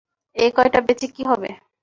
এই কয়টা বেচে কী হবে?